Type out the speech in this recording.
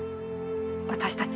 私たち。